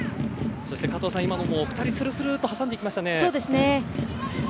加藤さん、今のも２人スルスルッと挟んでいきましたね。